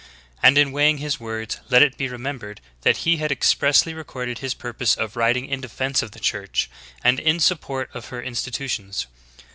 K\nd, in weighing his words, let i^ be remembered that he had expressly recorded his purpose of writing in defense of the Church, and in support of her institutions.